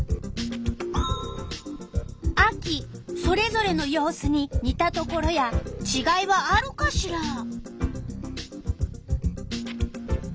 それぞれの様子ににたところやちがいはあるかしら？